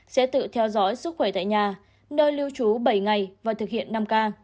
sẽ tự theo dõi sức khỏe tại nhà nơi lưu trú bảy ngày và thực hiện năm k